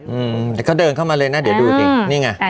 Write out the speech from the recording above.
อืมแต่เขาเดินเข้ามาเลยนะเดี๋ยวดูสินี่ไง